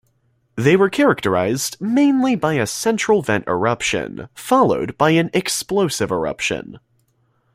They were characterized mainly by a central vent eruption, followed by an explosive eruption.